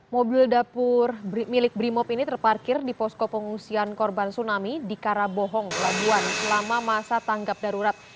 mobil dapur milik brimop ini terparkir di posko pengungsian korban tsunami di karabohong labuan selama masa tanggap darurat